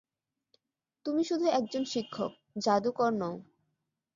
তুমি শুধু একজন শিক্ষক, জাদুকর নও।